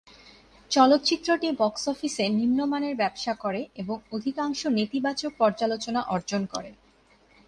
চলচ্চিত্রটি বক্স অফিসে নিম্নমানের ব্যবসা করে এবং অধিকাংশ নেতিবাচক পর্যালোচনা অর্জন করে।